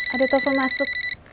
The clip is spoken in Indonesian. ada telepon masuk